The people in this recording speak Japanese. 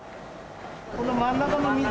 この真ん中の溝に。